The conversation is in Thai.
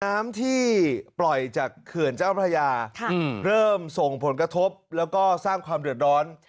น้ำที่ปล่อยจากเขื่อนเจ้าพระยาเริ่มส่งผลกระทบแล้วก็สร้างความเดือดร้อน